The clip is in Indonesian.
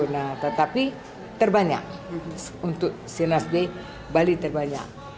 bali terbanyak untuk sirnas b bali terbanyak